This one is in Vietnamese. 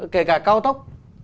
kể cả cao tốc